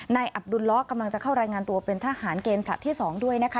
อับดุลล้อกำลังจะเข้ารายงานตัวเป็นทหารเกณฑ์ผลัดที่๒ด้วยนะคะ